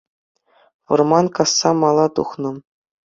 Вӑрман касса мала тухнӑ